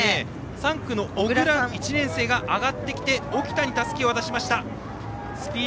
３区の小倉１年生が上がってきて沖田に渡した。